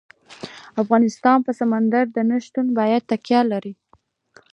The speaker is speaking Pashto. افغانستان په سمندر نه شتون باندې تکیه لري.